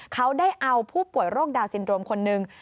เขาได้เอาผู้ป่วยโรคดาวซินรวมคนหนึ่ง